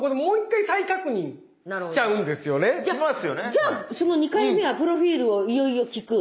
じゃあその２回目はプロフィールをいよいよ聞く？